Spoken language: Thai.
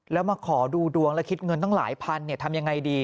แล้วมาขอดูดวงแล้วคิดเงินตั้งหลายพันทำยังไงดี